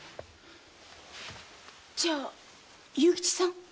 じゃあ勇吉さん？